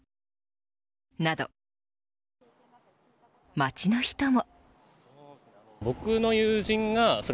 街の人も。